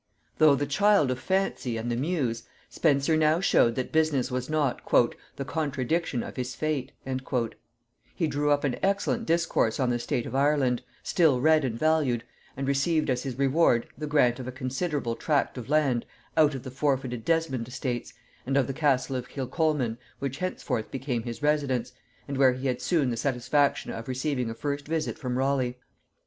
Though the child of fancy and the muse, Spenser now showed that business was not "the contradiction of his fate;" he drew up an excellent discourse on the state of Ireland, still read and valued, and received as his reward the Grant of a considerable tract of land out of the forfeited Desmond estates, and of the castle of Kilcolman, which henceforth became his residence, and where he had soon the satisfaction of receiving a first visit from Raleigh.